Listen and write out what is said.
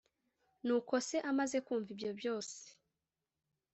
Nuko se amaze kumva ibyo byose,